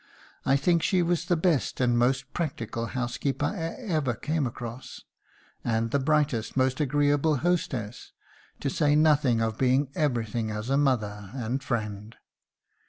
I think she was the best and most practical housekeeper I ever came across, and the brightest, most agreeable hostess, to say nothing of being everything as a mother and friend.